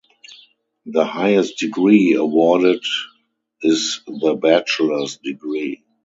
The highest degree awarded is the Bachelor's degree.